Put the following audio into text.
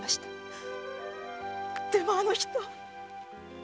でもあの人は。